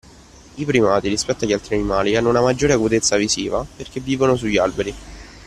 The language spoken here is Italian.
I primati rispetto agli altri animali hanno una maggiore acutezza visiva perché vivono sugli alberi